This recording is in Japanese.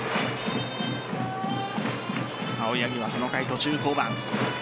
青柳はこの回、途中降板。